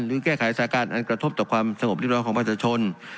หรือแก้ไขทักษณ์อันกระทบต่อความสโมพติบร้อยของคนเจ้าชน